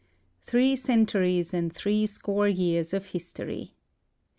Three centuries and three score years of history